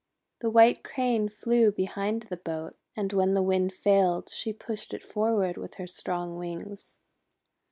The White Crane flew behind the boat, and when the Wind failed, she pushed it forward with her strong wings.